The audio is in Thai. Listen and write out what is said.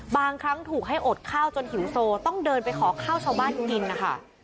บางครั้งถูกให้อดข้าวจนหิวโซต้องเดินไปขอข้าวชาวบ้านกินนะคะ